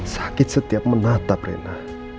sakit setiap menatap rina